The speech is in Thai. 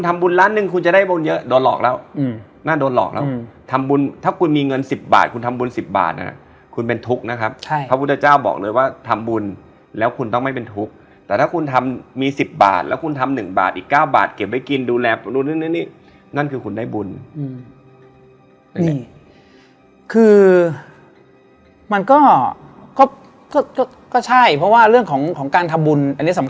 มันไม่ได้หนาวขนาดนั้นอากาศอ่ะประตูติยืนเย็นสบายไม่ได้เย็นก็คือแบบธรรมดา